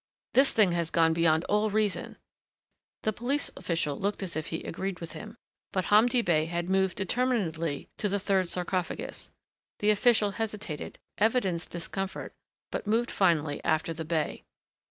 This thing has gone beyond all reason." The police official looked as if he agreed with him, but Hamdi Bey had moved determinedly to the third sarcophagus. The official hesitated, evidenced discomfort, but moved finally after the bey.